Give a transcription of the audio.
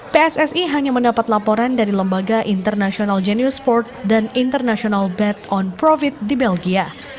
pssi hanya mendapat laporan dari lembaga internasional genius port dan international bed on profit di belgia